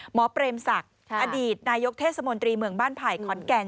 เปรมศักดิ์อดีตนายกเทศมนตรีเมืองบ้านไผ่ขอนแก่น